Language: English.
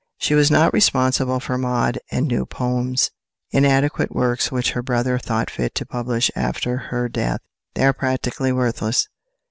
She was not responsible for "Maude" and "New Poems," inadequate works which her brother thought fit to publish after her death. They are practically worthless.